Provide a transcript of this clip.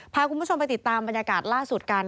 พาคุณผู้ชมไปติดตามบรรยากาศล่าสุดกัน